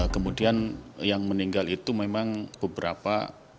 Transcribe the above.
kemudian yang meninggal itu memang beberapa